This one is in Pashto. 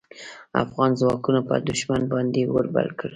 افغان ځواکونو پر دوښمن باندې اور بل کړ.